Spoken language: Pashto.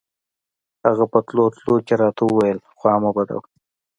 هغه په تلو تلو کښې راته وويل خوا مه بدوه.